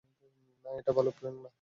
না, এটা ভালো প্ল্যান না!